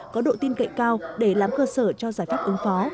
có độ tin cậy cao để làm cơ sở cho giải pháp ứng phó